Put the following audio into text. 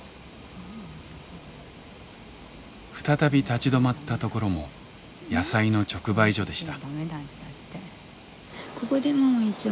再び立ち止まったところも野菜の直売所でした。